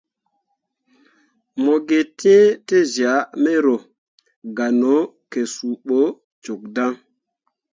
Mo gǝ tǝ̃ǝ̃ tezyah mero, gah no ke suu bo cok dan.